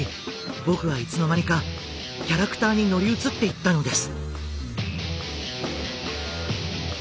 僕はいつの間にかキャラクターに乗り移っていったのです。